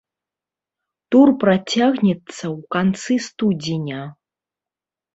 Тур працягнецца ў канцы студзеня.